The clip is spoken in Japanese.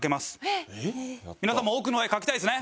皆さんも億の画描きたいですね？